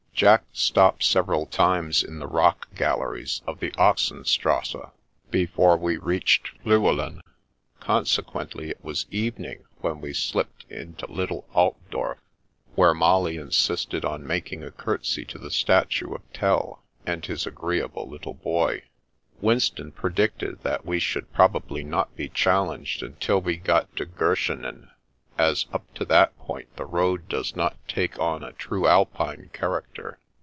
Jack stopped several times in the rock gal leries of the Axenstrasse before we reached Flu The Wings of the Wind 65 elen; consequently it was evening when we slipped into little Altdorf, where Molly insisted on making a curtsey to the statue of Tell and his agreeable little boy. Winston predicted that we should probably not be challenged until we got to Goschenen, as up to that point the road does not take on a true Alpine character.